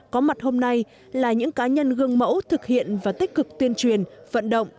có mặt hôm nay là những cá nhân gương mẫu thực hiện và tích cực tuyên truyền vận động